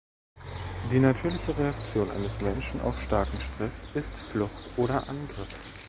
Die natürliche Reaktion eines Menschen auf starken Stress ist Flucht oder Angriff.